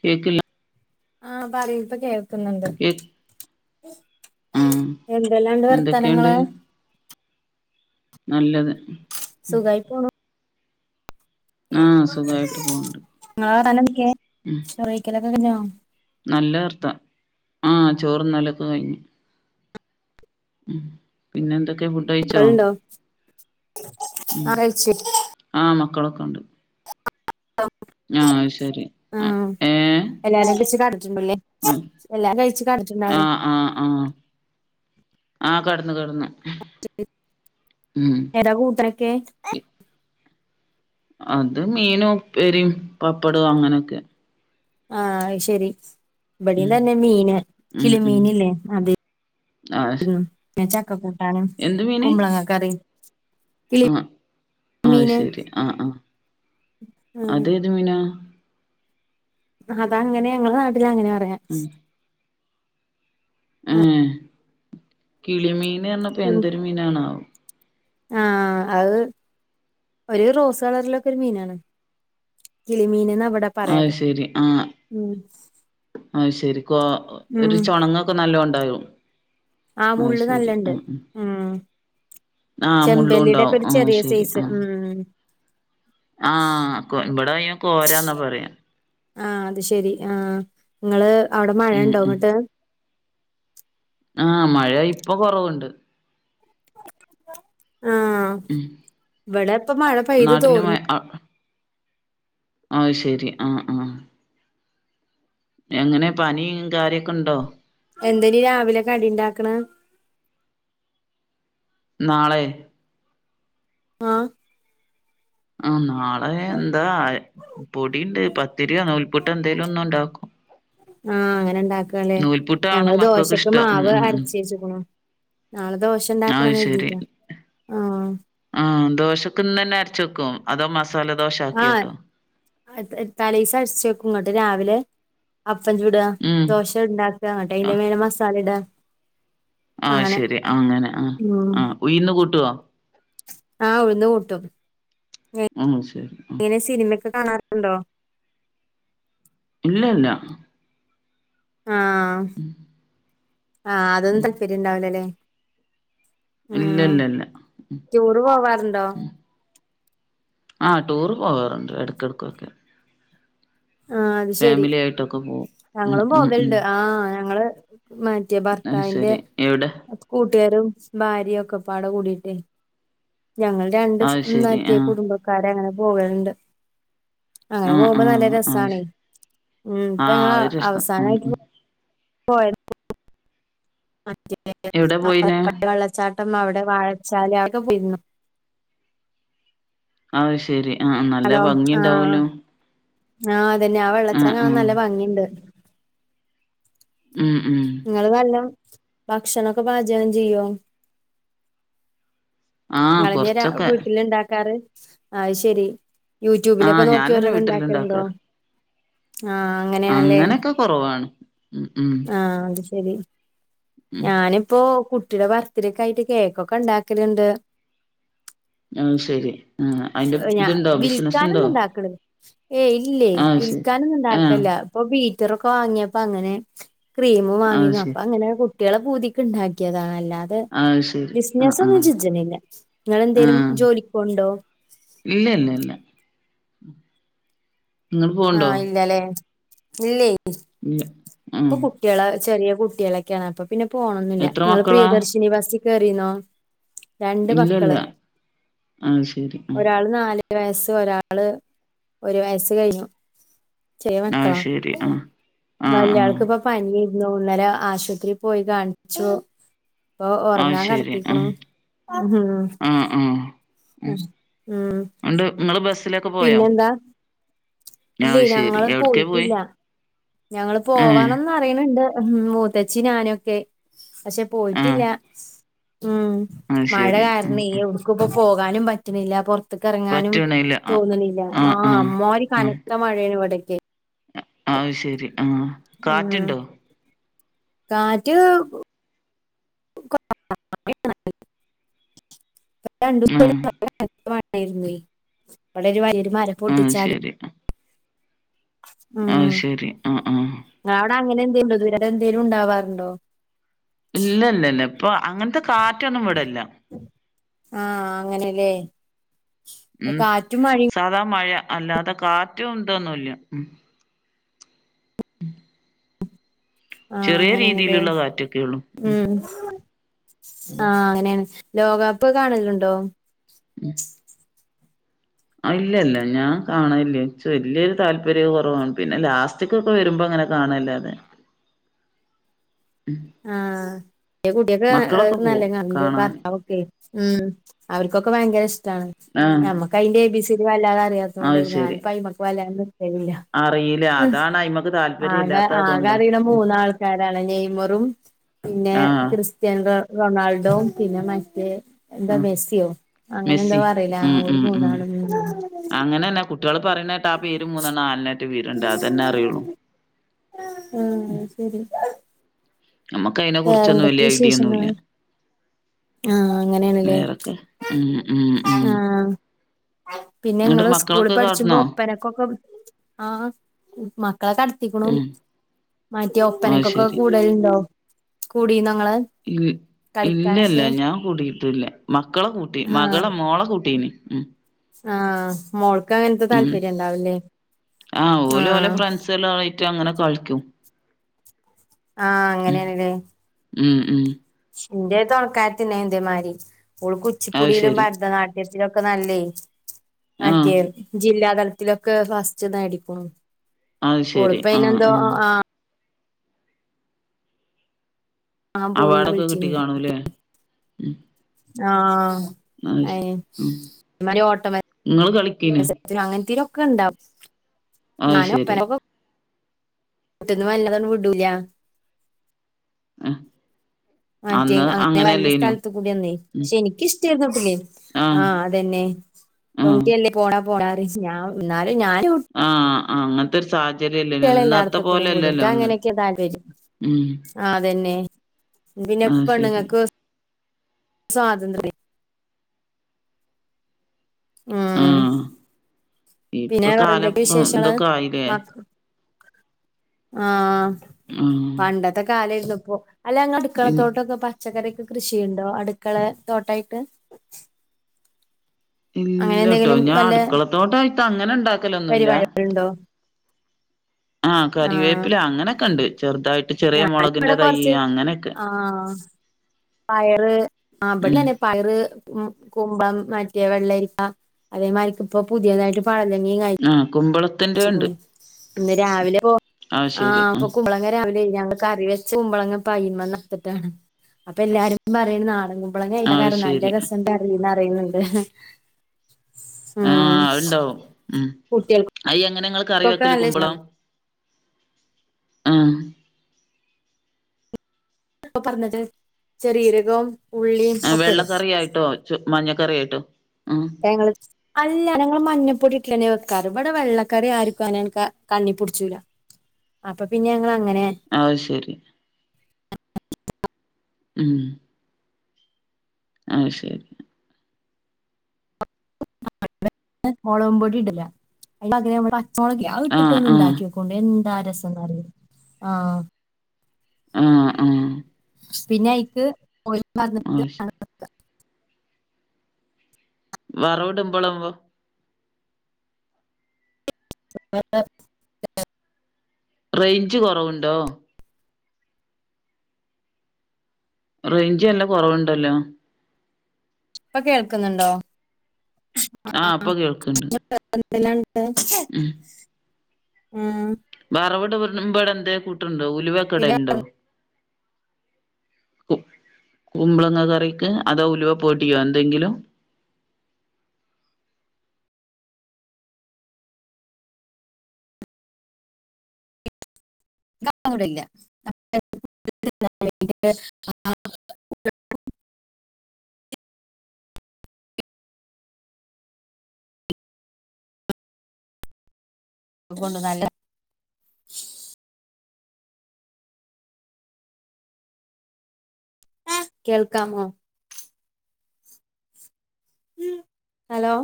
കേക്കില്ല ആഹ് പറയ് ഇപ്പ കേ ക്ക്ന്ന്ണ്ട് കേക്ക് ആഹ് എന്തെല്ലാണ്ട് എന്തൊക്കെയുണ്ട് വർത്തനങ്ങള് നല്ലത് സുഖായി പോണു ആഹ് സുഖായിട്ട് പോണ്ട് ഇങ്ങളെ വർത്താനൊക്കെ ഉം ചോറ് വെയ്ക്കലൊക്കെ കഴിഞ്ഞോ നല്ലവാർത്ത ആഹ് ചോറ്ന്നലോക്കക്കഴിഞ്ഞു ഉം പിന്നെ എന്തൊക്കെയാ ഫുഡ് കഴിച്ചോ മക്കളുണ്ടോ ഉം ആഹ് കഴിച്ചു ആഹ് മക്കളൊക്കെ ഒണ്ട് [unintelligible] ആഹ് അത് ശെരി ആഹ് എല്ലാരു [unintelligible] ഉം ആഹ് ആഹ് ആഹ് ആഹ് കെടന്നു കെടന്നു ഏതാ കൂട്ടരൊക്കെ അത് മീനും ഉപ്പേരിം പപ്പടോ അങ്ങനെക്കെ ആഹ് അയ്ശെരി ഇവടേം ഉം തന്നെ മീന് ഉം കിളി ഉം മീനില്ലേ അത് ആഹ് ഞാന് ചക്ക കുട്ടാനും എന്ത് മീന് കുമ്പളങ്ങക്കറിം ആഹ് അത് കിളിമീന് ശെരി ആഹ് ആഹ് ഉം അതേത് മീനാ? അതങ്ങനെയാ ഞങ്ങളെ നാട്ടിലങ്ങനെ പറയാ ഉം ഏഹ് കിളിമീൻ പറഞ്ഞപ്പോ പിൻ എന്തൊരു മീനാണാവോ? ആഹ് അക് ഒരു റോസ് കളറിലൊക്കൊരു മീനാണ്. കിളിമീനന്നവടെ അത് ശെരി ആഹ് അത് ശെരി കോ ഉം ഒരു ചൊണങ്ങോ ക്കൊ നല്ലോ ഒണ്ടായോ? ആഹ് മുള്ള് നല്ല്ണ്ട് ഉം ആ മുള്ളും ഉണ്ടാവും ചെമ്പല്ലിടെക്കൊരു ആ ചെറിയ സൈസ് ഉം ആഹ് കോ ഇവടെ അയ്ന് കോരാന്നാ പറയാ ആഹ് അത് ശെരി ആഹ് നിങ്ങള് അവടെ ഉം മഴണ്ടോ ങ്ങട്ട്. ആഹ് മഴ ഇപ്പോ കൊറവോണ്ട്. ആഹ് ഉം ഇവടെ ഇപ്പ മഴ പെയ്തു നാട്ടില് തോർന്ന് മഴ അ അത് ശെരി ആഹ് ആഹ് എങ്ങനെ പനിം കാര്യൊക്കെണ്ടോ? എന്തനി രാവിലെ കടിണ്ടാക്ക്ണ്? നാളെ ആഹ് ആഹ് നാളെ എന്താ ആഹ് പൊടിണ്ട് പത്തിരോ നൂൽപുട്ടോ എന്തേലും ഒന്ന് ഒണ്ടാക്കും. ആഹ് അങ്ങനെ ണ്ടാക്കല്ലേ നൂൽപുട്ടാണ് ഞങ്ങള് മക്കൾക്ക് ദോശൊക്ക് ഇഷ്ടം. ഉം മാവ് ഉം ഉം അരച്ചേച്ച്ക്കുണു നാളെ ദോശണ്ടാക്കണന്ന് കര്തീട്ടാ ആഹ്. ഉം ദോശക്ക്ന്നന്നെ അരച്ച് വെക്കോ അതോ മസാല ദോശ ആക്കിട്ടോ. തലീസ അരച്ചെക്കും ഇങ്ങട്ട് രാവിലെ. അപ്പൻ ചുട ഉം ദോശ ഇണ്ടാക്ക ന്ന്ട്ടെതിന്റെ ആഹ് മേലെ മസാല ഇടാ. ആഹ് അങ്ങനെ ശെരി ആഹ് അങ്ങനെ ആഹ് ആഹ് ഉയ്ന്ന് കൂട്ടോ? ആഹ് ഉഴുന്ന് കൂട്ടും. ആഹ് ശെരി. സിനിമൊക്കെ കാണാറുണ്ടോ? ഇല്ല ഇല്ല. ആഹ് ആഹ് അതൊന്നും താല്പര്യണ്ടാവൂലല്ലേ. ഇല്ല ല്ല ല്ല ല്ല ടൂറ് പോവാറുണ്ടോ? ആ ടൂറ് പോകാറുണ്ട് എട്ക്കെട്‌ക്കൊക്കെ. ആഹ് അത് ശെരി ആയിട്ടൊക്കെ പോവും. ഉം ഞങ്ങളും ഉം ഉം പോവലുണ്ട് ആഹ് ഞങ്ങള് മ. മറ്റേ അത് ഭർത്താവിന്റെ ശരി എവിടെ? കൂട്ടുകാരും ഭാര്യഒക്കെ പാടെ കൂടിട്ടേയ് ഞങ്ങൾ രണ്ട് ഫാ അത് ശരി മറ്റേ ആഹ് കുടുംബക്കാര അങ്ങനെ പോവല്ണ്ട്. അങ്ങനെ ആഹ് പോവുമ്പോ നല്ല ആഹ് അത് ശ രസാണേ ഉം ആഹ് ഇപ്പങ്ങളവ അത് രസം ഉം അവസാനായിട്ട്. ഉം പോയപ്പൊ. മറ്റേ എവിടെ പോയിനെ? ആതിരപ്പള്ളി വെള്ളച്ചാട്ടം അവിടെ വാഴച്ചാല് ഒക്കെ പോയിരുന്നു. അഹ് ശെരി ആഹ് നല്ല ഹലോ ആഹ് ഭംഗിയുണ്ടാവല്ലോ. ആഹ് അതന്നെ ആ വെള്ളച്ചാട്ടം കാണാൻ ആഹ് നല്ല ഭംഗിണ്ട്. ഉം ഉം ങ്ങൾ നല്ലോം ഭക്ഷണൊക്കെ പാചകം ചെയ്യോ? ആഹ് ങ്ങളന്നേ ര കൊറച്ചൊക്കെ വീട്ടിൽ ഇണ്ടാക്കാറ്? അയ് ശെരി യൂട്യൂബിലൊക്കെ ആഹ് നോക്കി ഞാനന്നെ ഓരോന്ന് ണ്ടാക്കൽണ്ടോ? വീട്ടില്ണ്ടാക്കാറ് ആഹ് അങ്ങനെയാണല്ലേ അങ്ങനെക്കെ കൊറവാണ്. ഉം ഉം ആഹ് അത് ശരി ഉം ഞാനിപ്പോ കുട്ടിയുടെ ബർ. ബർത്ത്ഡേക്കായിട്ട് കേക്കൊക്കെ ഉണ്ടാക്കല്ണ്ട്. അത് ശരി ആഹ് അയിന്റെ ഞ ഇത്ണ്ടോ ബിസിനസ്ണ്ടോ വിൽക്കാനൊന്നും ണ്ടാക്ക്ന്നില്ലേ യ് ഏയ് ഇല്ലേ വിൽ. അത് ശരി വിൽക്കാനൊന്നു ആഹ് ഉണ്ടാക്കലില്ല ഇപ്പൊ ബീറ്ററൊക്കെ വാങ്ങിയപ്പോ അങ്ങനെ ക്രീമും അത് വാങ്ങിന്നു അപ്പൊ ശരി അങ്ങനെ കുട്ട്യാളെ പൂതിക്ക് ഉണ്ടാക്കിയതാണ് അല്ലാതെ അത് ശരി ആഹ് ബിസിനസൊന്നും ആഹ് ചെജ്നില്ല നിങ്ങെന്തേലും ആഹ് ജോലിക്ക്‌ പോവ്ണ് ണ്ടോ ഇല്ല ഇല്ല ഇല്ല ഇങ്ങള് പോവ്ണ്ടോ ആഹ് ഇല്ലല്ലേ ഇല്ലേയ് ഉം കുട്ട്യാളെ ചെറിയ കുട്ടികളൊക്കെയാണ് അപ്പൊ പിന്നെ പോണൊന്നില്ല എത്ര നിങ്ങള് മക്കളാ പ്രിയദർശിനി ബസിൽ കേറിനോ രണ്ട് ഇല്ലല്ല മക്കള് അത് ശരി ആഹ് ഒരാള് നല് നാല് വയസ്സ് ഒരാള് ഒരു വയസ് കഴിഞ്ഞു ചെറിയ മക്കള അത് ശരി ആഹ് ആഹ് വലിയ ആൾ ആഹ് പനിയ്രുന്നു ഇന്നലെ ആശുപത്രിയിൽ പോയി കാണിച്ചു ഇപ്പൊ അത് ഉറങ്ങാൻ ശരി കടത്തിക്കുണു ആഹ് ആഹ് ആഹ് ഉം ഉം ഉണ്ട് നിങ്ങൾ ബസിലത്ര പിന്നെ എന്താ ഇല്ലേ അത് ശെരി ഞങ്ങള് എവിട്ക്കെ പോയി? പോയിട്ടില്ല ഞങ്ങള് ഏഹ് പോവാണന്നറിയ്ണ്ണ്ട് മൂത്തച്ചിം ഞാനൊക്കെ പക്ഷെ പോയിട്ടില്ല ആഹ് ഉം അത് മഴ ശെരി ഉം കാരണേ ഉം എവ്ടുക്കു ഇപ്പ പോകാനും പറ്റണില്ല പുറത്തക്കറങ്ങാനും പറ്റ്ണില്ല ആഹ് തോണിണില്ല ആഹ് അമ്മതിരി ആഹ് കനത്ത മഴയാണ് ഇവിടേക്കെ അത് ശരി ആഹ് ഉം കാറ്റ്ണ്ടോ? കാറ്റ് [unintelligible] [unintelligible] ആഹ് ഇവിടെ ഒരു വലിയ മര ആഹ് ശരി ആഹ് ശരി ആഹ് ആഹ് ആഹ് അവിടെങ്ങനെ എന്തേണ്ടോ [unintelligible] എന്തേലും ഉണ്ടാവാറുണ്ടോ ഇല്ല ഇല്ല ഇല്ല ഇപ്പൊ അങ്ങനത്തെ കാറ്റൊന്നും ഇവിടല്ല ആഹ് അങ്ങനെല്ലേ ഉം കാറ്റും മഴയും സാധാ മഴ അല്ലാതെ കാറ്റും ഉതോന്നുമല്ല ഉം ആഹ് ചെറിയ അങ്ങനെയാണല്ലേ രീതിയിലുള്ള കാറ്റൊക്കെ ഉള്ളൂ ഉം ആഹ് അങ്ങനെയാണ് ലോകകപ്പ് കാണലുണ്ടോ മം ആഹ് ഇല്ലല്ല ഞാൻ കാണില്ലേ ഇജ്ജ് വല്യൊരു താല്പര്യം കുറവാണ് പിന്നെ ലാസ്റ്റ് [unintelligible] വരുമ്പോൾങ്ങനെ കാണലാതെ [unintelligible] ആഹ് എ കുട്ടിയൊക്കെ മക്കളൊക്കെ നല്ല പോവും കാ കാണാന് ഭർത്താവൊക്കെ ഉം അവർക്കൊക്കെ ഭയങ്കര ഇഷ്ടമാണ് ആഹ് ഞമ്മക്ക് അതിന്റെ എ ബി സി ഡി വല്ലാതെ അറിയാെ തോണ്ട് അത് ശരി ഞൻപ്പ അയിമക്ക് വല്ല ല്ല അറിയില്ല അതാണ് അയിമക്ക് താല്പര്യം ആക ഇല്ലാത്ത ആക അതുകൊണ്ടാ അറിണ ഉം മൂന്നാൾ രാണ് നെയ്മറും പിന്നെ ആഹ് ക്രിസ്ത്യാന റൊണാൾഡോ പിന്നെ മറ്റേ എന്താ ഉം മെസ്സിയോ അങ്ങനെ എന്താ മെസ്സി പറയില ഒരു മൂന്നാള അങ്ങനെ തന്നെ കുട്ടികള് പറയുന്നായിട്ട് ആ പേര് മൂന്നെണ്ണ നല്ലൊന്നട്ടെ ബിറണ്ട് അത്തന്നെ അറുള്ളൂ ഉം ശരി നമ്മുക്ക് അതിനെ വേറെ കുറിച്ചൊന്നും എന്തൊക്ക വലിയ ഐഡിയ വിശേഷങ്ങൾ ഒന്നുല്ല ആഹ് അങ്ങനെയാണല്ലേ വേറൊക്കെ ഉം ഉം ഉം ആഹ് പിന്നെ എന്നിട്ട് ങ്ങൾ സ്കൂള മക്കളൊക്കെ പഠിച്ചുമ്പോ കാട്ടുന്നോ ഒപ്പന ക്കെ ആഹ് മക്കളെ കാ എത്തിക്കണും ഉം മാറ്റെ അത് ഒപ്പനക്കൊക്കെ ശരി കൂടുലുണ്ടോ കൂടിനോ ങ്ങൾ ഇ ഇല്ലല്ല ഞാൻ കൂട്ടിയിട്ടില്ല മക്കളെ കൂട്ടി ആഹ് മകളെ മോളെ കൂട്ടീന് ഉം ആഹ് മോൾക്ക് അങ്ങനത്തെ ഉം താല്പര്യം ഇണ്ടാവുല്ലേ ആഹ് സ്സലായിട്ട് അങ്ങനെ കളിക്കും. ആഹ് ഉം അങ്ങനാണ്ല്ലേ ഉം ഉം ഇന്റെ ഒര് തൊണക്കാരത്തിണ്ടായിന്നു ഇതേമാരി ഓള് അത് കുച്ചിപ്പുടിയിലും ശരി ഭരതനാ ട്യത്തിലൊക്കെ നല്ലേ ആ മറ്റേ ജില്ലാ തല ത്തിലൊക്കെ ഫസ്റ്റ്നേടിക്കുണു അത് ഓള് ശരി ആ പ്പയിന് എന്തോ ആ ആഹ് ആഹ് പോയി അവാർഡൊക്കെ കിട്ടി വിളിച്ചിന്നു കാണൂല്ലേ ഉം ആഹ് അത് ശ ഏഹ് ഉം തേമാരി ഇങ്ങള് കളിക്കീനോ ഓട്ടമത്സ രത്തിനും അങ്ങനത്തീനൊക്കെ ഇണ്ടാവും അത് ശരി ഞാനോപ്പനക്കൊ ട്ടിന്ന് വല്ലതങ്ങ്ട് വിടൂല ആഹ് മറ്റേ അങ്ങനെ വലിയ സ്ഥലത്ത് കൂടി ഒന്നേ ഉം പക്ഷെ എനക്കിഷ്ടരുന്നു പിന്നേ ആ ആഹ് അതെന്നെ ആ പെൺ കുട്യല്ലേ പോണ്ട പോണ്ടാറിം ഞാൻ എന്നാലും ഞാനെവ് ആഹ് ആഹ് അങ്ങനത്തെ ഒരു സാഹചര്യംല്ലേന്നു കുട്ടികളെ ഇന്നത്തെ എല്ലായിടത്തും കൂടിയും വിടും പോലെല്ലല്ലോ എനിക്ക് അന്ന് അങ്ങനെയൊക്കെ താല്പര്യം ഉം ആഹ് അതന്നെ പിന്നെ അത് ശരി പെണ്ണുങ്ങക്ക് സ്വാതന്ത്ര്യം ഉം ആ ഇപ്പൊ പിന്നെ വേറെ കാലം എന്തൊക്കെ വിശേഷങ്ങള് ഇതൊക്കെ ആയില്ലേ മ ആഹ് ആഹ് പണ്ടത്തെ കാലേരുന്ന് ഇപ്പോ അല്ലങ്ങ് പിൻ അടുക്കളത്തോട്ടൊക്കെ പ പച്ചക്കറിയൊക്കെ കൃഷി ചെയ്യുന്നുണ്ടോ, അടുക്കള തോട്ടായിട്ട്? അങ്ങനെ ഇല്ലട്ടോ എന്തെങ്കിലും ഞാൻ വല്ല അടുക്കളത്തോട്ടായിട്ട് അങ്ങനെ ഇണ്ടാക്കലൊന്നുല്ല. പരിപാടികളുണ്ടോ ആഹ് കറിവേപ്പില അങ്ങനെയൊക്കെ ഉണ്ട് ചെറുതായിട്ട്. ചെറിയ ഞാൻ ഇവിടെ മുളകിന്റെ തൈ കൊറച്ച് അങ്ങനെയൊക്കെ ആഹ് പയറ് ആഹ് ഉം ഇവിടെ. പയറ് മ്മ് കുമ്പളം മറ്റെ വെള്ളരിക്ക. അതേമാരിക്കിപ്പോ പുതിയതായിട്ട് പഴലങ്ങേം കായി ആഹ് കുമ്പളം യിച്ചുക്കുന്നു, ഇന്ന് രാവിലെ ഇപ്പോ അത് ശരി ആഹ് ഉം ഇപ്പോ കുമ്പളങ്ങ രാവിലെ. മിനിഞ്ഞാന്ന് കറി വെച്ച് കുമ്പളങ്ങ പ്പയിന്മന്നർത്തിട്ടാണ് അപ്പൊ എല്ലാരും പറയണ നാടൻ കുമ്പ മ്പളങ്ങ അയിന്റെ അത് കറി ശരി നല്ല ഉണ്ടായിരുന്നെന്ന് അറിയുന്നുണ്ട്. ആഹ് അത് ഇണ്ടാവും, ഉം കുട്ടികൾക്കൊക്കെ അയ് എങ്ങനെ ഇങ്ങള് കറി വെക്കാല് നല്ല കുമ്പളം. ഇഷ്ടാണ് ആഹ് എപ്പോ പറഞ്ഞത് ചെറുജീരകവും. ആഹ് വെള്ളക്കറിയായിട്ട് വെച്ച് മഞ്ഞക്കറിയായിട്ട ഉം. നിങ്ങള് അല്ല ഞങ്ങള് മഞ്ഞപ്പൊടി ഇട്ടിട്ട് തന്നെ വെക്കാറ്, ഇവിടെ വെള്ളക്കറി ആർക്കും അങ്ങനെ അങ്ങ് കണ്ണിപ്പുടിച്ചൂല. അപ്പൊ പിന്നെ ഞങ്ങള് അങ്ങനെ. അത് ശരി ഉം അത് ശരി [inaudible] മുളകും പൊടി ഇടില്ല, അയിന് പകരം പച്ചമൊളക് ഇല്ലേ അത് ഇട്ടിട്ട് ആഹ് ഒന്ന് ആഹ് ഉണ്ടാക്കി. കൊണ്ടോയി എന്താ രസം എന്നറിയോ ആഹ്. ആഹ് ആഹ് പിന്നെ അയിക്ക് മോരും പാർന്ന്. മാഷാ വിറകിടുമ്പോളും [inaudible] റേഞ്ച് കുറവുണ്ടോ? റേഞ്ച് നല്ലാ കുറവുണ്ടല്ലോ. ഇപ്പൊ കേൾക്കുന്നുണ്ടോ? ആഹ് ഇപ്പൊ കേൾക്കുണ്ട്. [unintelligible] ഉണ്ടേ. ഉം ആഹ് വറവിടുമ്പോ എന്തേ കൂട്ടുണ്ടോ, ഉലുവ് ഒക്കെ പിന്നെ ഇടലുണ്ടോ? പ്പ് കുമ്പളങ്ങ കറിക്ക് അതോ ഉലുവ പൊടിയോ എന്തെങ്കിലും? [unintelligible] കൊണ്ടുവന്നായിട്ട്. കേൾക്കാമോ? ഉം ഹലോ